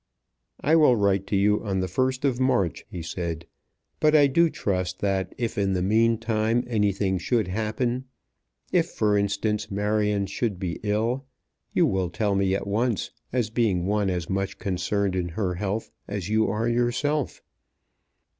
"I will write to you on the first of March," he said, "but I do trust that if in the mean time anything should happen, if, for instance, Marion should be ill, you will tell me at once as being one as much concerned in her health as you are yourself."